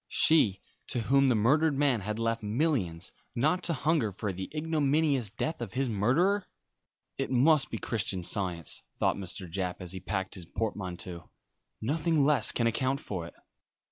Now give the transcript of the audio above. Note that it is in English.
She, to whom the murdered man had left millions, not to hunger for the ignominious death of his murderer! "It must be Christian Science," thought Mr. Japp, as he packed his portmanteau. "Nothing less can account for it."